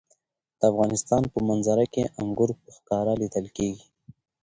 د افغانستان په منظره کې انګور په ښکاره لیدل کېږي.